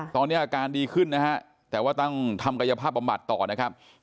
ตอนนี้อาการดีขึ้นนะฮะแต่ว่าต้องทำกายภาพบำบัดต่อนะครับ